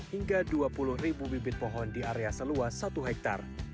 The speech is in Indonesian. hingga dua puluh ribu bibit pohon di area seluas satu hektare